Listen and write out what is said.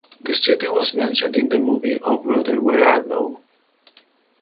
The city was mentioned in the movie O Brother, Where Art Thou?